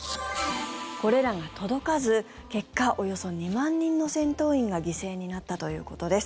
これらが届かず結果、およそ２万人の戦闘員が犠牲になったということです。